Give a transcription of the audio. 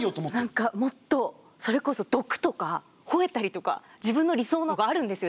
何かもっとそれこそ毒とかほえたりとか自分の理想のがあるんですよ